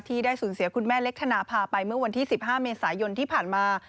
ที่ได้สูญเสียคุณแม่เล็กทนาภาษินีปศ๑๕มีศศที่ผ่านมา